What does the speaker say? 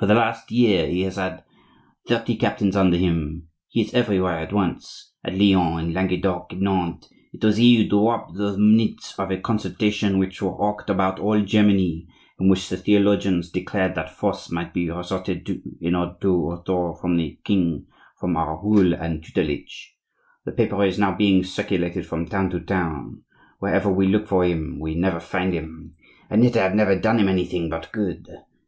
For the last year he has had thirty captains under him! He is everywhere at once,—at Lyon, in Languedoc, at Nantes! It was he who drew up those minutes of a consultation which were hawked about all Germany, in which the theologians declared that force might be resorted to in order to withdraw the king from our rule and tutelage; the paper is now being circulated from town to town. Wherever we look for him we never find him! And yet I have never done him anything but good!